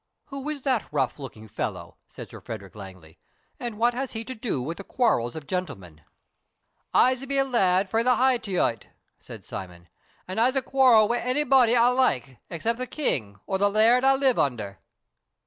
"Who is that rough looking fellow?" said Sir Frederick Langley, "and what has he to do with the quarrels of gentlemen?" "I'se be a lad frae the Hie Te'iot," said Simon, "and I'se quarrel wi' ony body I like, except the king, or the laird I live under."